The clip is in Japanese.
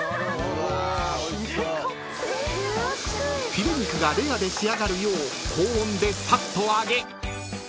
［ヒレ肉がレアで仕上がるよう高温でさっと揚げ］